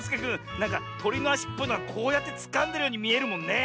なんかとりのあしっぽいのがこうやってつかんでるようにみえるもんねえ。